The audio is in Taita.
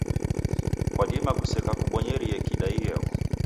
Kwadima kuseka kubonyerie kida ighegho.